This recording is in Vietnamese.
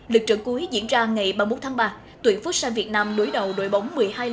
lượt trận cuối diễn ra ngày ba mươi một tháng ba tuyển phúc san việt nam đối đầu đội bóng một mươi hai lần vô lịch châu á iran